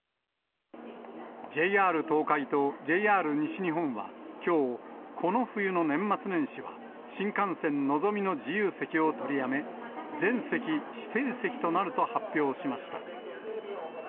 ＪＲ東海とＪＲ西日本はきょう、この冬の年末年始は、新幹線のぞみの自由席を取りやめ、全席指定席になると発表しました。